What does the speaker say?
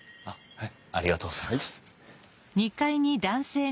はい。